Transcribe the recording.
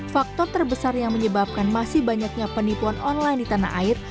faktor terbesar yang menyebabkan masih banyaknya penipuan online di tanah air